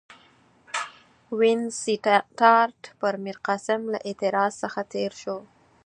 وینسیټیارټ پر میرقاسم له اعتراض څخه تېر شو.